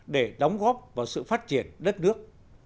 để đóng góp vào sự phát triển đất nước